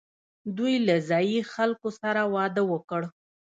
دوی له ځايي خلکو سره واده وکړ